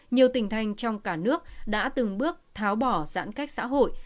nhiều tỉnh thành trong cả nước đã từng bước tháo bỏ giãn cách xã hội